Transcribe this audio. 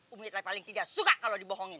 umi teh paling tidak suka kalau dibohongin